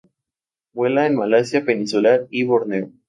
Vuela en Malasia Peninsular y Borneo.